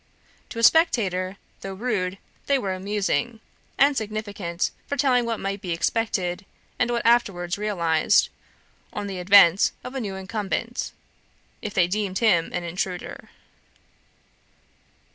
To a spectator, though rude, they were amusing, and significant, foretelling what might be expected, and what was afterwards realised, on the advent of a new incumbent, if they deemed him an intruder.